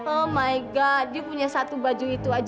oh my god kamu punya satu baju itu aja